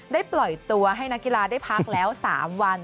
ปล่อยตัวให้นักกีฬาได้พักแล้ว๓วัน